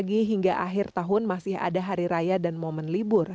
pagi hingga akhir tahun masih ada hari raya dan momen libur